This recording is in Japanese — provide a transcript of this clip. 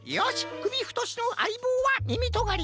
くびふとしのあいぼうはみみとがり。